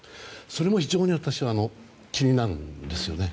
それも非常に私気になるんですよね。